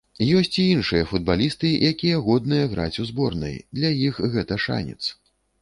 Ёсць і іншыя футбалісты, якія годныя граць у зборнай, для іх гэта шанец.